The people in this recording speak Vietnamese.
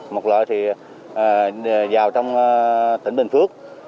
một loại thì vào trong tỉnh bình phước